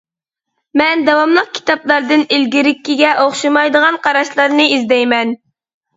مەن داۋاملىق كىتابلاردىن ئىلگىرىكىگە ئوخشىمايدىغان قاراشلارنى ئىزدەيمەن.